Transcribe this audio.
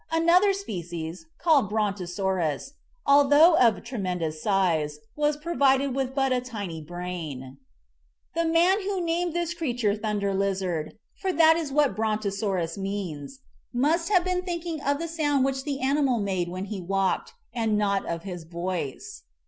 Another species, called Brontosaurus, although of tremendous size, was pro vided with but a tiny brain. The man who named this creature Thunder Lizard, for that is what Brontosaurus means, must have been thinking of the sound which the animal made when he walked, THE MIGHTY DINOSAURS 21 and not of his voice.